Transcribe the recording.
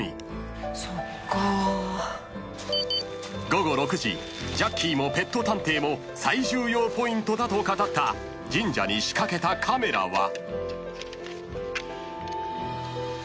［午後６時ジャッキーもペット探偵も最重要ポイントだと語った神社に仕掛けたカメラは］